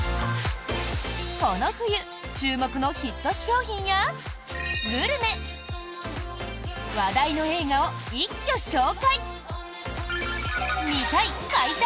この冬注目のヒット商品やグルメ話題の映画を一挙紹介！